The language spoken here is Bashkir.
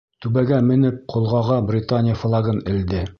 Түбәгә менеп, ҡолғаға Британия флагын элде.